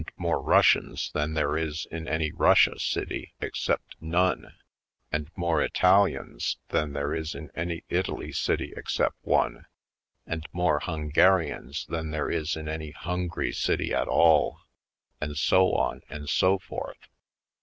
Poindexter^ Colored Russians than there is in any Russia city except none, and more Italians than there is in any Italy city except one, and more Hungarians than there is in any Hungry city at all, and so on and so forth.